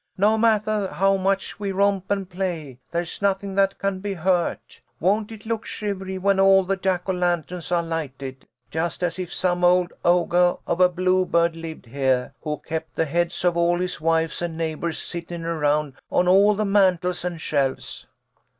" No mattah how much we romp and play, there's nothing that can be hurt. Won't it look shivery when all the Jack o' lanterns are lighted ? Just as if some old ogah of a Bluebeard lived heah, who kept the heads of all his wives and neighbours sittin' around on all the mantels an' shelves."